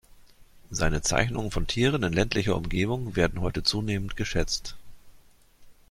Seine Zeichnungen von Tieren in ländlicher Umgebung werden heute zunehmend geschätzt.